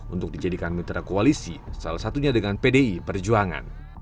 untuk dijadikan mitra koalisi salah satunya dengan pdi perjuangan